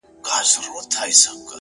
د ژوند دوران ته دي کتلي گراني ـ